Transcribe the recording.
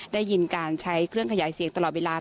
ได้ยินการใช้เครื่องขยายเสียงตลอดเวลา